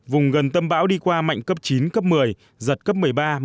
vùng gần tâm bão đi qua mạnh cấp chín cấp một mươi giật cấp một mươi ba một mươi